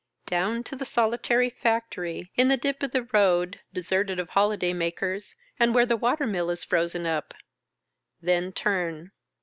Down to the solitary factory in the dip of the road, deserted of holiday makers, and where the water mill is frozen up — then turn.